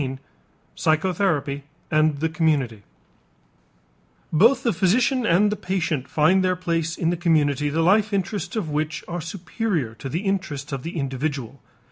XIV PSYCHOTHERAPY AND THE COMMUNITY Both the physician and the patient find their place in the community the life interests of which are superior to the interests of the individual.